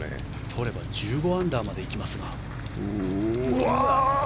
取れば１５アンダーまで行きますが。